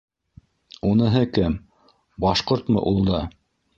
— Уныһы кем, башҡортмо ул да?